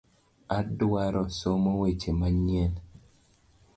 Adwaro somo weche manyien.